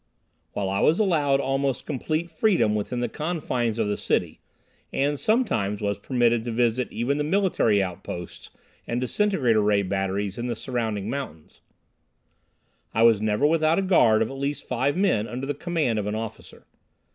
While I was allowed almost complete freedom within the confines of the city, and sometimes was permitted to visit even the military outposts and disintegrator ray batteries in the surrounding mountains, I was never without a guard of at least five men under the command of an officer.